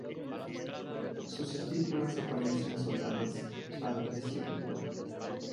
Sus estípulas aparecen soldadas al peciolo.